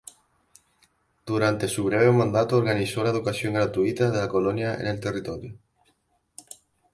Durante su breve mandato organizó la educación gratuita de la colonia en el territorio.